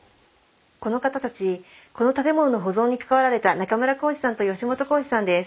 この方たちこの建物の保存に関わられた中村興司さんと吉本昂二さんです。